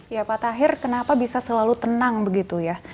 ya pak tahir kenapa bisa selalu tenang begitu ya